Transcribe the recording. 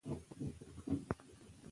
د مورنۍ ژبې زده کړه د ماشوم حق دی.